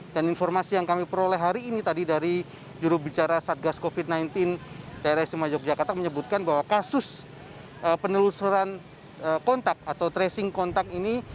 informasi yang kami peroleh hari ini tadi dari jurubicara satgas covid sembilan belas daerah istimewa yogyakarta menyebutkan bahwa kasus penelusuran kontak atau tracing kontak ini